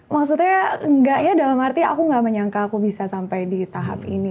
maksudnya enggak ya dalam arti aku gak menyangka aku bisa sampai di tahap ini